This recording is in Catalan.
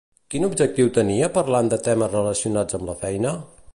Quin objectiu tenia parlant de temes relacionats amb la feina?